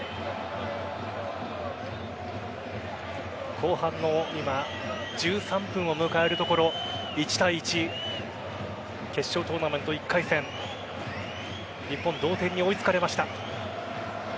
後半の１３分を迎えるところ１対１決勝トーナメント１回戦日本、同点に追いつかれました。